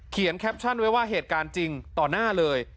แคปชั่นไว้ว่าเหตุการณ์จริงต่อหน้าเลย